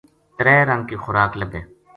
ترے رنگ کی خوراک لبھے